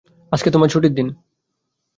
আজকে তোমার ছুটির দিন।